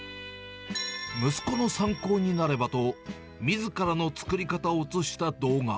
息子の参考になればと、みずからの作り方を映した動画。